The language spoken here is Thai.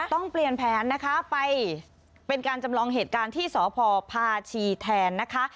ต้องเปลี่ยนแผนนะคะไปเป็นการจำลองเหตุการณ์ที่สพพาชีแทนนะคะ